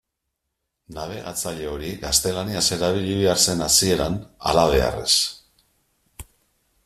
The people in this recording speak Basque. Nabigatzaile hori gaztelaniaz erabili behar zen hasieran, halabeharrez.